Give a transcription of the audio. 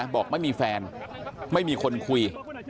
บอกไม่มีแฟนไม่มีคนคุย